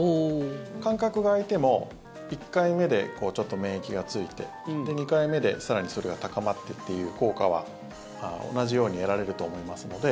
間隔が空いても１回目で、ちょっと免疫がついてで、２回目で更にそれが高まってという効果は同じように得られると思いますので。